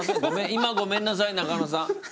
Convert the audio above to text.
今ごめんなさい中野さん。